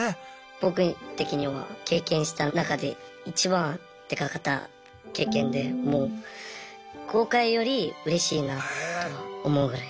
僕的には経験した中でいちばんでかかった経験でもう後悔よりうれしいなと思うぐらい。